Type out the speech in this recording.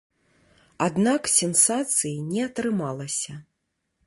Аднак сенсацыі не атрымалася.